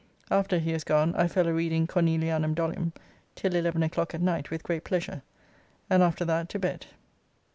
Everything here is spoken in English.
After he was gone I fell a reading 'Cornelianum dolium' till 11 o'clock at night with great pleasure, and after that to bed.